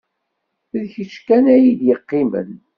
D kečč kan ay d-yeqqimen.